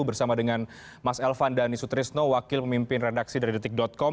bersama dengan mas elvan dan isu trisno wakil pemimpin redaksi dari detik com